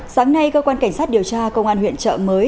sáng nay cơ quan cảnh sát điều tra công an huyện trợ mới